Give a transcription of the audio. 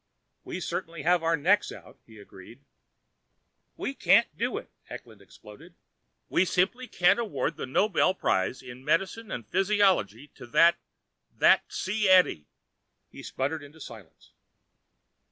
"We certainly have our necks out," he agreed. "We can't do it!" Eklund exploded. "We simply can't award the Nobel Prize in medicine and physiology to that ... that C. Edie!" He sputtered into silence.